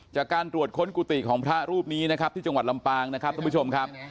จากการตรวจค้นกุฏิของพระรูปนี้นะครับที่จังหวัดลำปางนะครับทุกผู้ชมครับ